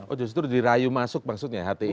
oh justru dirayu masuk maksudnya hti